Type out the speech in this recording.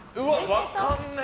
分かんねえ。